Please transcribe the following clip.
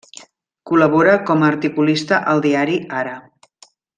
Col·labora com a articulista al diari Ara.